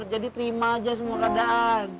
terima aja semua keadaan